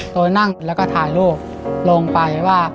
โดยนั่งแล้วก็ถ่ายรูปลงไปว่า